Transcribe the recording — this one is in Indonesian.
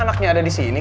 anaknya ada di sini